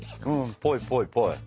ぽいぽいぽい。